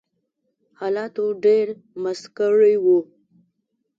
حالاتو ډېر مست کړي وو